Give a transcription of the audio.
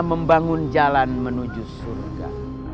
membangun jalan menuju surga